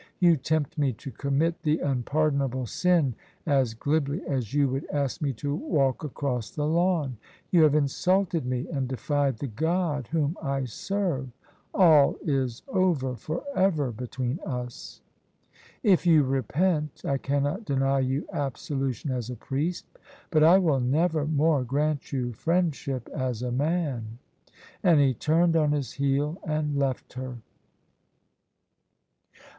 You tempt me to commit the impardonable sin as glibly as you would ask me to walk across the lawn. You have insulted me and defied the God Whom I serve; all is over for ever between us. If you repent, I cannot deny you absolution as a priest: but I will never more grant you friendship as a man." And he turned on his heel and left her.